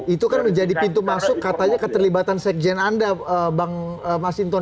itu kan jadi pintu masuk katanya keterlibatan sekjen anda bang mas hinton